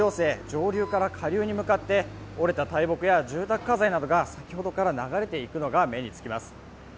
上流から下流に向かって折れた大木や住宅家財などが先ほどから流れていくのが目につきます。